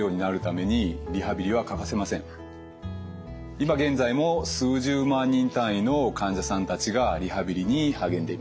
今現在も数十万人単位の患者さんたちがリハビリに励んでいます。